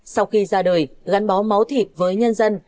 sau khi ra đời gắn bó máu thịt với nhân dân